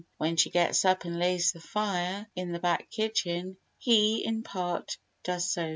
When she gets up and lays the fire in the back kitchen he, in part, does so.